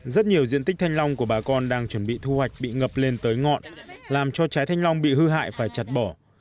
rất nhiều diện tích thanh long của bà con đang chuẩn bị thu hoạch bị ngập lên tới ngọn làm cho trái thanh long bị hư hại phải chặt bỏ